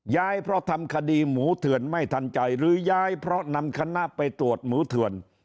ย้ายเพราะทำคดีหมูเถื่อนไม่ทันใจหรือย้ายเพราะนำคณะไปตรวจหมูเถื่อน